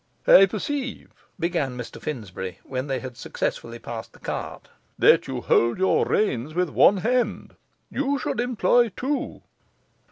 'I perceive,' began Mr Finsbury, when they had successfully passed the cart, 'that you hold your reins with one hand; you should employ two.